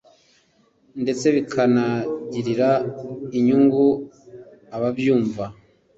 ndetse bikanagirira inyungu ababyumva